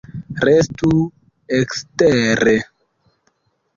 Restu ekstere!